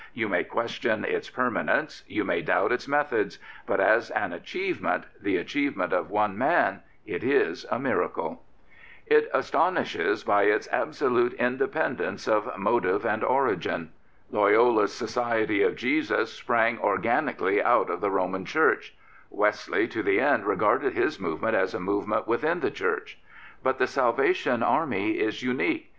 You may question its permanence, you may doubt its methods; but as an achievement, the achievement of one man, it is a miracle. It astonishes by its absolute independence of motive and origin. Loyola's Society of Jesus sprang organically out of the Roman Church; Wesley to the end regarded his movement as a movement within the Church. But the Salvation Army is unique.